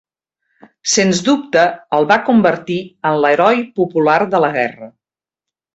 Sens dubte el va convertir en l'heroi popular de la guerra.